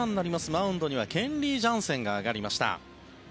マウンドにはケンリー・ジャンセンが上がりました。